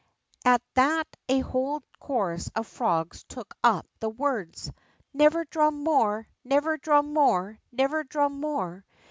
" At that a whole chorus of frogs took up the' words : ISTever drum more ! J^ever drum more ! Xever drum more